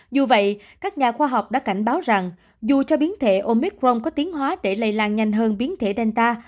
dù vậy các nhà khoa học đã cảnh báo rằng dù cho biến thể omicron có tiến hóa để lây lan nhanh hơn biến thể danta